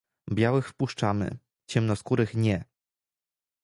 Białych wpuszczamy, ciemnoskórych - nie!